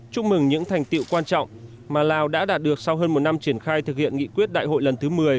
chúc mừng những thành tiệu quan trọng mà lào đã đạt được sau hơn một năm triển khai thực hiện nghị quyết đại hội lần thứ một mươi